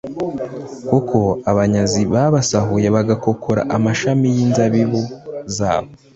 kuko abanyazi babasahuye bagakokora amashami y’inzabibu zabo.